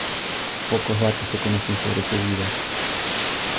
Pocos datos se conocen sobre su vida.